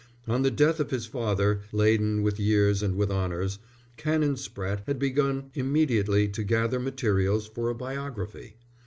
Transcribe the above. On the death of his father, laden with years and with honours, Canon Spratte had begun immediately to gather materials for a biography.